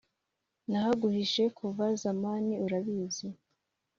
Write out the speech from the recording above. nahaguhishe kuva zamani urabizi